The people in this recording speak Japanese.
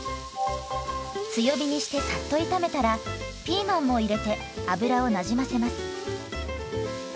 強火にしてさっと炒めたらピーマンも入れて油をなじませます。